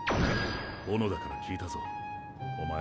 小野田から聞いたぞおまえ